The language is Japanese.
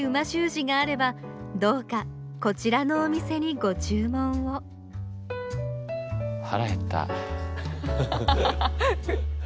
字があればどうかこちらのお店にご注文をはらへった。